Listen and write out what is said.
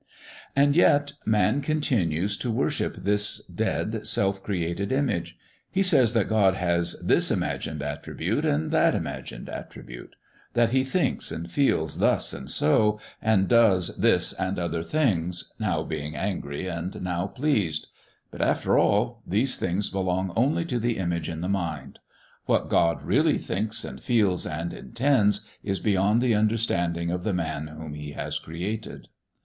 And yet man continues to worship this dead, self created image. He says that God has this imagined attribute and that imagined attribute; that He thinks and feels thus and so, and does this and the other thing, now being angry and now pleased. But, after all, these things belong only to the image in the mind. What God really thinks and feels and intends is beyond the understanding of the man whom He has created.